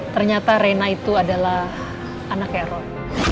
ternyata reina itu adalah anak erol